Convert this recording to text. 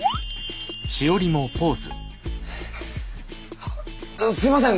あっすいません